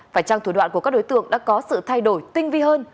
phải trang thủ đoạn của các đối tượng đã có sự thay đổi tinh vi hơn